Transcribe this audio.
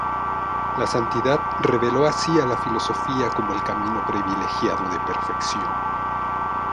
La santidad relevó así a la filosofía como el camino privilegiado de perfección.